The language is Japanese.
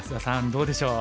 どうでしょう？